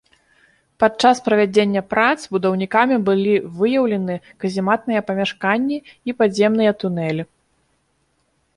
Падчас правядзення прац, будаўнікамі былі выяўлены казематныя памяшканні і падземныя тунэлі.